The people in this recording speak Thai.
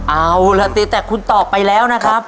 เอาล่ะตีแต่คุณตอบไปแล้วนะครับ